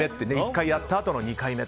１回やったあとの２回目。